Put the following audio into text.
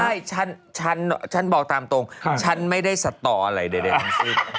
ใช่ฉันฉันบอกตามตรงฉันไม่ได้สตออะไรใดทั้งสิ้น